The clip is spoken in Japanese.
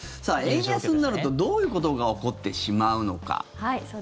円安になるとどういうことが起こってしまうのか。